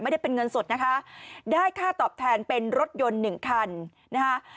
ไม่ได้เป็นเงินสดนะคะได้ค่าตอบแทนเป็นรถยนต์หนึ่งคันนะคะ